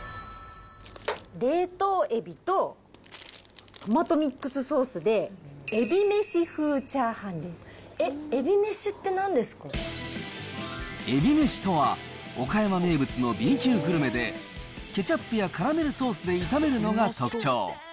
冷凍エビと、トマトミックスソースで、えっ、えびめしとは、岡山名物のＢ級グルメで、ケチャップやカラメルソースで炒めるのが特徴。